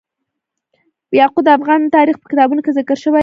یاقوت د افغان تاریخ په کتابونو کې ذکر شوی دي.